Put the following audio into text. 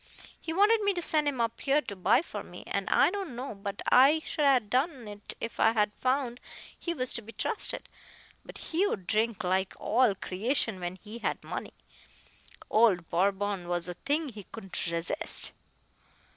He wanted me to send him up here to buy for me, and I don't know but I should 'a' done it if I'd found he was to be trusted. But he would drink like all creation when he had money. Old Bourbon was a thing he couldn't resist.